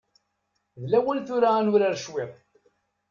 D lawan tura ad nurar cwiṭ.